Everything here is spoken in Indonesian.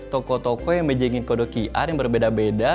toko toko yang bejengin kode qr yang berbeda beda